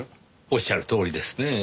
おっしゃるとおりですねぇ。